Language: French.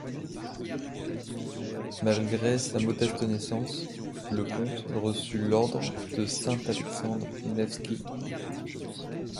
Malgré sa modeste naissance, le comte reçut l’Ordre de Saint-Alexandre Nevski.